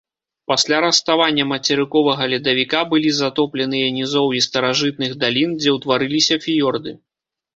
Пасля раставання мацерыковага ледавіка былі затопленыя нізоўі старажытных далін, дзе ўтварыліся фіёрды.